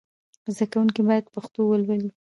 زدهکوونکي باید پښتو ولولي.